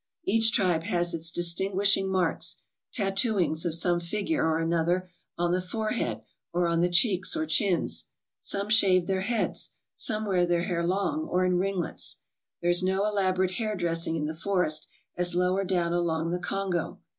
Each tribe has its dis tinguishing marks, tattooings of some figure or another on the forehead or on the cheeks or chins. Some shave their heads; some wear their hair long or in ringlets. There is no elaborate hair dressing in the forest, as lower down along the Congo.